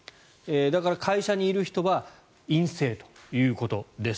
だから会社にいる人は陰性ということです。